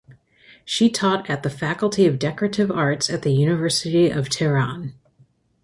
She taught at the Faculty of Decorative Arts at the University of Tehran.